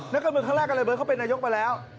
นักการเมืองครั้งแรกอะไรเบิร์ตเขาเป็นนายกมาแล้ว